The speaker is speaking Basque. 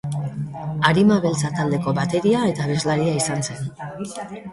Arima Beltza taldeko bateria eta abeslaria izan zen.